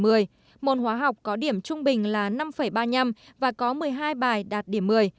môn hóa học có điểm trung bình là năm ba mươi năm và có một mươi hai bài đạt điểm một mươi